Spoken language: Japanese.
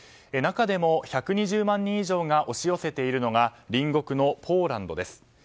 中でも、１２０万人以上が押し寄せているのが隣国のポーランドです。